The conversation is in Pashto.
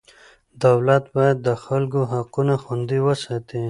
دولت باید د خلکو حقونه خوندي وساتي.